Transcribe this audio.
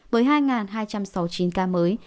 với hai hai trăm sáu mươi chín ca mới